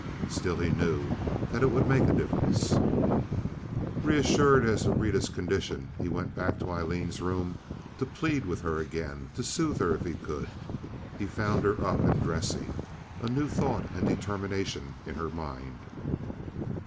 Still he knew that it would make a difference. Reassured as to Rita's condition, he went back to Aileen's room to plead with her again—to soothe her if he could. He found her up and dressing, a new thought and determination in her mind.